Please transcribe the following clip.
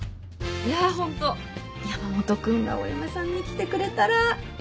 いやホント山本君がお嫁さんに来てくれたらいいのに